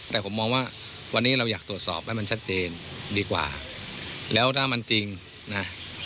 แต่ผมมองว่าวันนี้เราอยากตรวจสอบให้มันชัดเจนดีกว่าแล้วถ้ามันจริงนะ